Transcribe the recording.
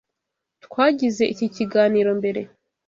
Twagize iki kiganiro mbere.